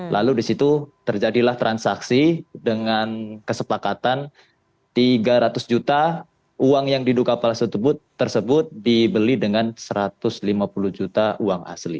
lalu di situ terjadilah transaksi dengan kesepakatan tiga ratus juta uang yang diduga palsu tersebut dibeli dengan satu ratus lima puluh juta uang asli